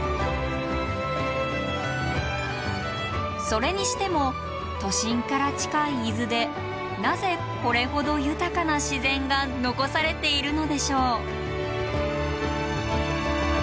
それにしても都心から近い伊豆でなぜこれほど豊かな自然が残されているのでしょう？